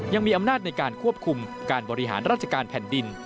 ยังมีอำนาจในการควบคุมการบริหารราชการแผ่นดิน